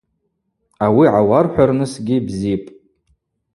Ауи гӏауархӏвырнысгьи бзипӏ.